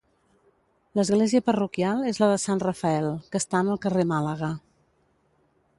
L'Església parroquial és la de Sant Rafael, que està en el carrer Màlaga.